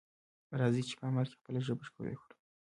راځئ چې په عمل کې خپله ژبه ښکلې کړو.